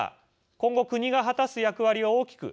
今後、国が果たす役割は大きく